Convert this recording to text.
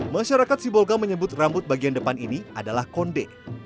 masyarakat sebolga menyebut rambut bagian depan ini adalah konde